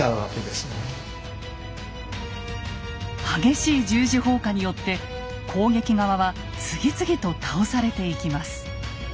激しい十字砲火によって攻撃側は次々と倒されていきます。